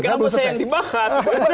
kamu saya yang dibahas